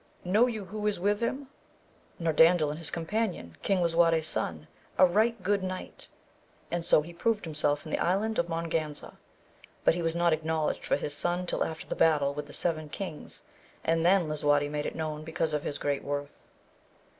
Know you who is with him ?— ^Norandel his companion. King Lisuarte's son, a right good knight, and so he proved himself in the island of Mongaza, but he was not acknowledged for his son till after the battle with the seven kings, and then Lisuarte made it known because of his great worth.